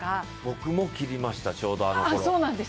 僕も切りました、ちょうどあのころ。